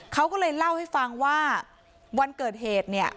เขาก็เลยเล่าให้ฟังว่าวันเกิดเหตุเนี่ย